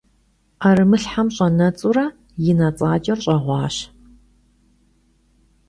'erımılhhem ş'enets'ure yi nets'aç'er ş'eğuaş.